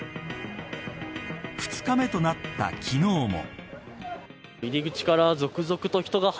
２日目となった昨日も。